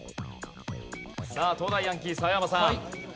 さあ東大ヤンキー澤山さん。